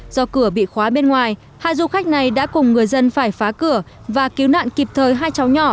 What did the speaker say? do cửa bị khóa bên ngoài hai du khách này đã cùng người dân phải phá cửa và cứu nạn kịp thời hai cháu nhỏ